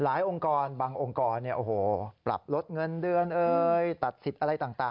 องค์กรบางองค์กรปรับลดเงินเดือนตัดสิทธิ์อะไรต่าง